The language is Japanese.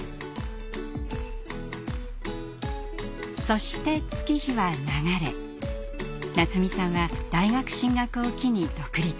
そして月日は流れなつみさんは大学進学を機に独立。